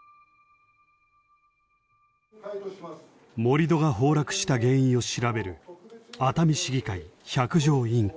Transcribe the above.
盛り土が崩落した原因を調べる熱海市議会百条委員会。